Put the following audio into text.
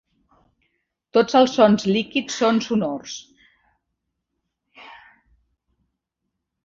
Tots els sons líquids són sonors.